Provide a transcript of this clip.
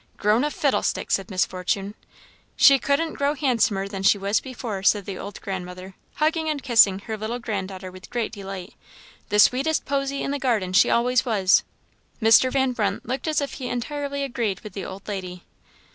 "Grown a fiddlestick!" said Miss Fortune. "She couldn't grow handsomer than she was before," said the old grandmother, hugging and kissing her little grand daughter with great delight; "the sweetest posie in the garden she always was!" Mr. Van Brunt looked as if he entirely agreed with the old lady.